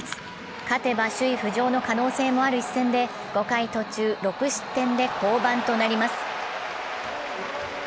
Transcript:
勝てば首位浮上の可能性もある一戦で５回途中６失点で降板となります。